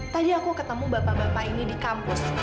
tadi aku ketemu bapak bapak ini di kampus